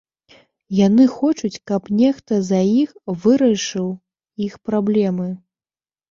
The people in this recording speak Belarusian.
Яны хочуць, каб нехта за іх вырашыў іх праблемы.